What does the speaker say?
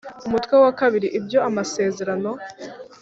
umutwe wa kabiri ibyo amasezerano